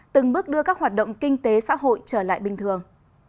từng bước đưa các hoạt động kinh tế xã hội trở lại bình thường